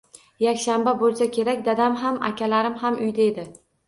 Yakshanba bo‘lsa kerak, dadam ham, akalarim ham uyda edi.